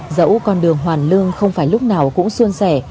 dẫu con đường hoàn lương không phải lúc nào cũng xuân sẻ